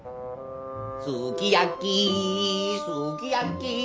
「すき焼きすき焼き」